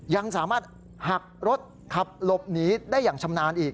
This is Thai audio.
ยังสามารถหักรถขับหลบหนีได้อย่างชำนาญอีก